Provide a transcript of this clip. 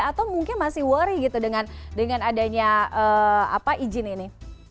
atau mungkin masih worry gitu dengan adanya izin ini